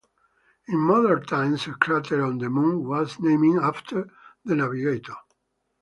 In modern times a crater on the moon was named after the navigator.